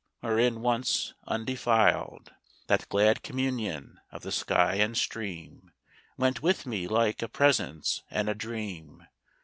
wherein once, undefiled, The glad communion of the sky and stream Went with me like a presence and a dream.